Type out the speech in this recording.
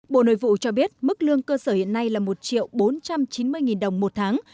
bộ nội vụ cho biết mức lương cơ sở hiện nay là một bốn trăm chín mươi đồng một tháng